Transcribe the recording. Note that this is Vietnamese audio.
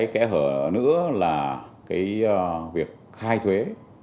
kẽ hở nữa là cái việc khai thuế